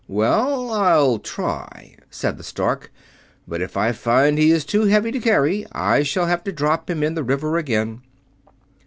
"Well, I'll try," said the Stork, "but if I find he is too heavy to carry I shall have to drop him in the river again."